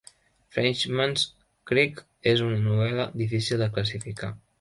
"Frenchman's Creek" és una novel·la difícil de classificar.